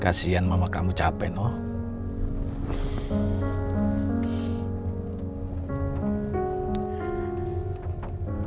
kasian mama kamu capek noh